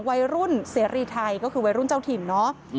วัยรุ่นเสรีไทยก็คือวัยรุ่นเจ้าถิ่นเนาะ